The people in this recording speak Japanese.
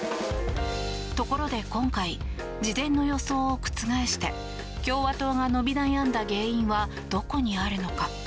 ところで今回事前の予想を覆して共和党が伸び悩んだ原因はどこにあるのか。